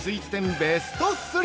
ベスト３。